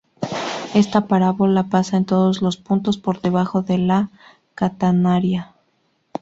Esta parábola pasa en todos los puntos por debajo de la catenaria.